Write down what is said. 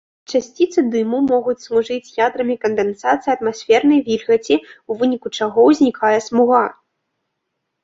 Часціцы дыму могуць служыць ядрамі кандэнсацыі атмасфернай вільгаці, у выніку чаго ўзнікае смуга.